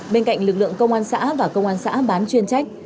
bên cạnh lực lượng công an xã và công an xã bán chuyên trách